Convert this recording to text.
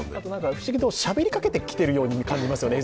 不思議としゃべりかけているような感じがしますよね。